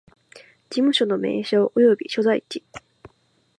事務所の名称及び所在地